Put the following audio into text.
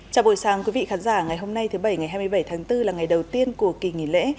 chào buổi sáng quý vị khán giả ngày hôm nay thứ bảy ngày hai mươi bảy tháng bốn là ngày đầu tiên của kỳ nghỉ lễ